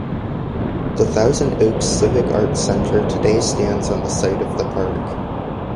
The Thousand Oaks Civic Arts Center today stands on the site of the park.